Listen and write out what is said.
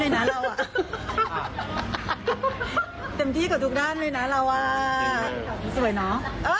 เต็มที่กับทุกด้านเลยนะเราว่าสวยเนอะ